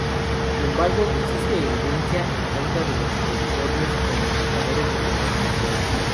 Sin embargo, existe evidencia en contra de los coliformes como indicadores de contaminación.